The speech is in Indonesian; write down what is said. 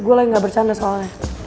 gue lagi gak bercanda soalnya